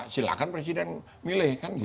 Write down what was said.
silahkan presiden milih kan gitu